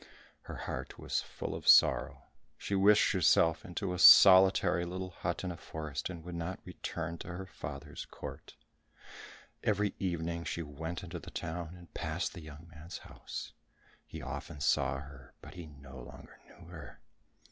Her heart was full of sorrow, she wished herself into a solitary little hut in a forest, and would not return to her father's court. Every evening she went into the town and passed the young man's house; he often saw her, but he no longer knew her.